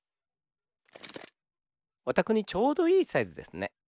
おたくにちょうどいいサイズですね。